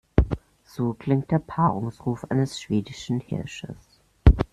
So klingt der Paarungsruf eines schwedischen Hirsches.